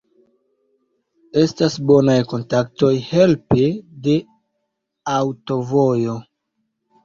Estas bonaj kontaktoj helpe de aŭtovojo.